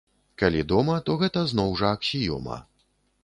Калі дома, то гэта, зноў жа, аксіёма.